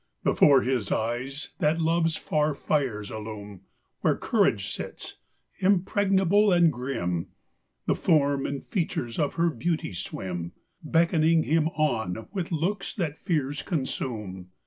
Before his eyes that love's far fires illume Where courage sits, impregnable and grim The form and features of her beauty swim, Beckoning him on with looks that fears consume.